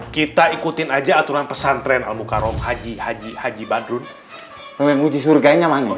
kita ikutin aja aturan pesan tren al mukarram haji haji haji badrun menguji surganya manggung